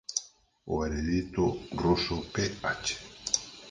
O erudito ruso Ph.